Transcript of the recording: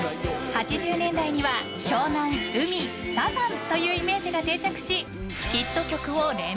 ［８０年代には湘南海サザンというイメージが定着し］